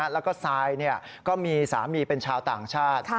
แล้วก็ซายก็มีสามีเป็นชาวต่างชาติ